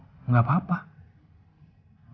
mama andin juga gak bakal siap yaa